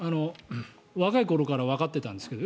若い頃からわかってたんですけど。